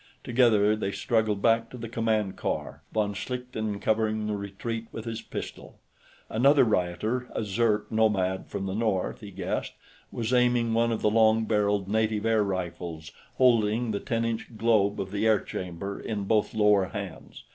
Together, they struggled back to the command car, von Schlichten covering the retreat with his pistol. Another rioter a Zirk nomad from the North, he guessed was aiming one of the long barreled native air rifles, holding the ten inch globe of the air chamber in both lower hands.